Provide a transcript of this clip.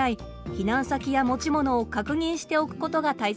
避難先や持ち物を確認しておくことが大切です。